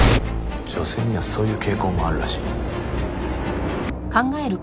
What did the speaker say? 女性にはそういう傾向もあるらしい。